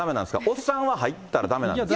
おっさんは入ったらだめなんですか？